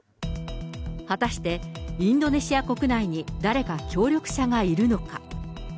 果たして、インドネシア国内に誰か協力者がいるのか。